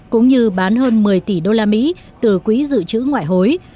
cũng như bán hơn một mươi tỷ đô la mỹ từ quỹ dự trữ ngoại hối